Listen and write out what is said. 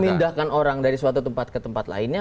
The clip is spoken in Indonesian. memindahkan orang dari suatu tempat ke tempat lainnya